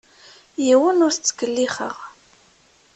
Yiwen ur t-ttkellixeɣ.